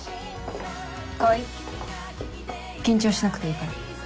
川合緊張しなくていいから。